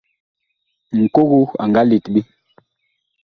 Ŋkogo a nga let ɓe.